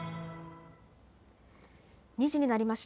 ２時になりました。